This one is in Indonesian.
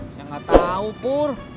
saya nggak tahu pur